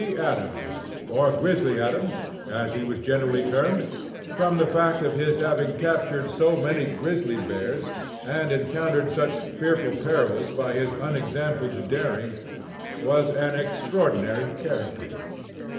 Adams, or "Grizzly Adams," as he was generally termed, from the fact of his having captured so many grizzly bears, and encountered such fearful perils by his unexampled daring, was an extraordinary character.